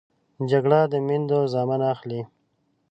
جګړه د میندو زامن اخلي